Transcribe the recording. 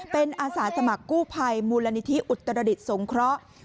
เป็นอาสาสมัครกู้ภัยมูลนิธิอุตรดิษฐ์สงเคราะห์